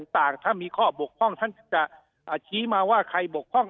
ต่างถ้ามีข้อบกพร่องท่านจะชี้มาว่าใครบกพร่อง